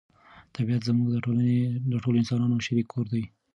طبیعت زموږ د ټولو انسانانو شریک کور دی.